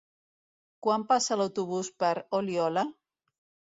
Quan passa l'autobús per Oliola?